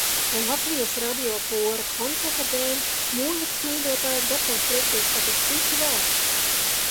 Latvijas Radio kora koncerta dēļ mūzikas mīļotājas gatavas triekties pat uz citu valsti.